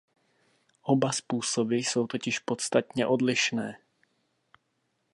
Oba způsoby jsou totiž podstatně odlišné.